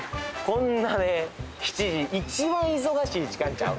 こんなね７時一番忙しい時間ちゃう？